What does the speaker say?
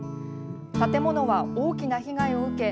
建物は大きな被害を受け